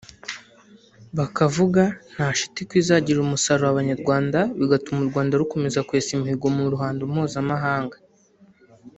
bakavuga nta shiti ko izagirira umusaruro Abanyarwanda bigatuma u Rwanda rukomeza kwesa imihigo mu ruhando mpuzamahanga